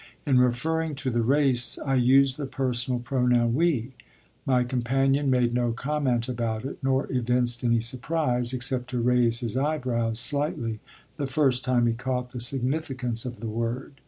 In referring to the race I used the personal pronoun "we"; my companion made no comment about it, nor evinced any surprise, except to raise his eyebrows slightly the first time he caught the significance of the word.